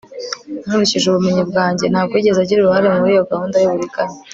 nkurikije ubumenyi bwanjye, ntabwo yigeze agira uruhare muri iyo gahunda y'uburiganya